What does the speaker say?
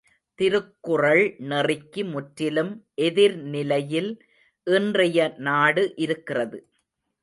திருக்குறள் நெறிக்கு முற்றிலும் எதிர்நிலையில் இன்றைய நாடு இருக்கிறது.